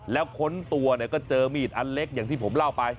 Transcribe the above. แล้วค้นตัวเนี่ยก็เจอมีดอันเล็กอย่างที่ผมเล่าไป